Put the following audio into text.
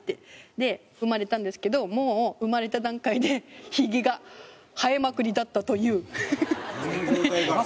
で産まれたんですけどもう産まれた段階で「ヒゲがはえまくりだったという」。